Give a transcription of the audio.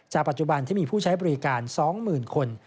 ปัจจุบันที่มีผู้ใช้บริการ๒๐๐๐คน